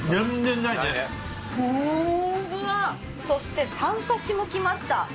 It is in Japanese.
そして「タン刺」も来ました。